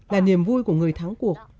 là niềm vui của người thắng cuộc